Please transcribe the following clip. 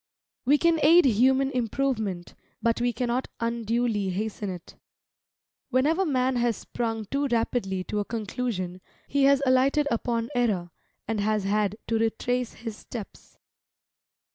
We can aid human improvement, but we cannot unduly hasten it. Whenever man has sprung too rapidly to a conclusion, he has alighted upon error, and has had to retrace his steps.